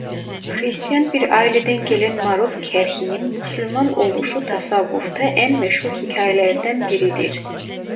Hristiyan bir aileden gelen Maruf Kerhi'nin Müslüman oluşu tasavvuf'ta en meşhur hikâyelerden biridir.